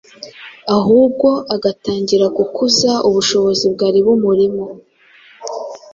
ahubwo agatangira gukuza ubushobozi bwari bumurimo.